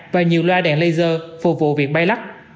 và nhiều loa đèn laser phục vụ việc bay lắc